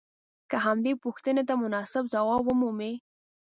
که همدې پوښتنې ته مناسب ځواب ومومئ.